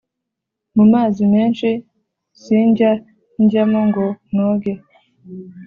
mu mazi menshi sinjya njyamo ngo noge